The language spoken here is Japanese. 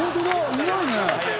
いないね。